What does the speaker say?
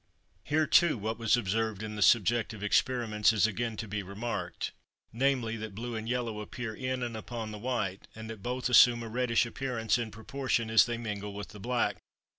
Here too what was observed in the subjective experiments is again to be remarked, namely, that blue and yellow appear in and upon the white, and that both assume a reddish appearance in proportion as they mingle with the black.